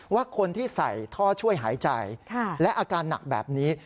ว่าคนที่ใส่ท่อช่วยหายใจและอาการหนักแบบนี้